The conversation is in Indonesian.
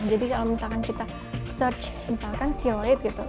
jadi kalau misalkan kita search misalkan tiroid gitu